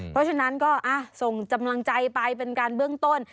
เพราะฉะนั้นก็ส่งกำลังใจไปเป็นการเบื้องต้น